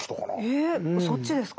えそっちですか？